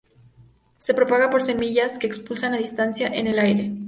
Se propaga por sus semillas que expulsa a distancia en el aire.